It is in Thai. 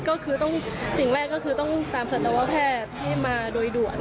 ก็คือต้องสิ่งแรกก็คือต้องตามสัตวแพทย์ให้มาโดยด่วน